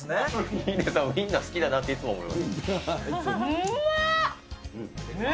ヒデさん、ウインナー好きだなっていつも思います。